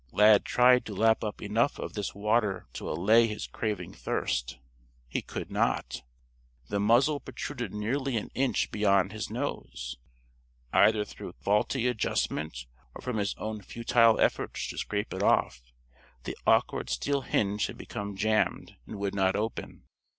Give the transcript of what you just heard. Lad tried to lap up enough of this water to allay his craving thirst. He could not. The muzzle protruded nearly an inch beyond his nose. Either through faulty adjustment or from his own futile efforts to scrape it off, the awkward steel hinge had become jammed and would not open.